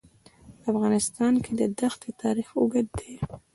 په افغانستان کې د دښتې تاریخ اوږد دی.